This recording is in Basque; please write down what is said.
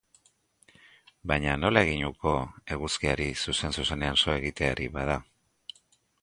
Baina nola egin uko eguzkiari zuzen-zuzenean so egiteari, bada?